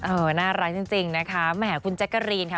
น่ารักจริงนะคะแหมคุณแจ๊กกะรีนค่ะ